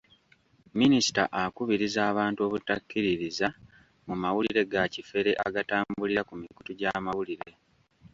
Minisita akubiriza abantu obutakkiririza mu mawulire ga kifere agatambulira ku mikutu gy'amawulire